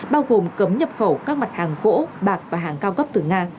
bao gồm cấm nhập khẩu các mặt hàng gỗ bạc và hàng cao cấp từ nga